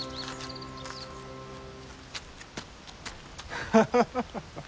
ハハハハッ。